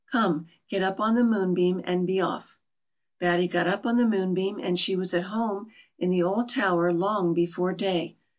Come, get up on the moonbeam and be off." Batty got up on the moonbeam, and she was at home in the old tower long before day.